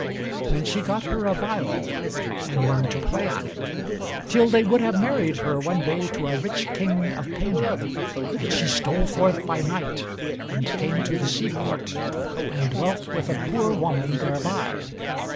Then she got her a viol, and learned to play on it; till they would have married her one day to a rich king of Paynim, and she stole forth by night, and came to the seaport, and dwelt with a poor woman thereby.